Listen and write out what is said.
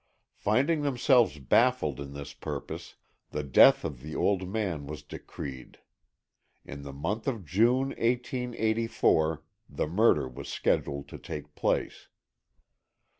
Finding themselves baffled in this purpose, the death of the old man was decreed. In the month of June, 1884, the murder was scheduled to take place.